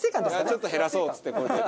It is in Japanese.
ちょっと減らそうっつってこうやって。